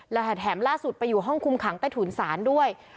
และแถมล่าสุดไปอยู่ห้องคุมขังใต้ถุนศาลด้วย